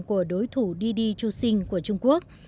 của đối thủ didi chuxing của trung quốc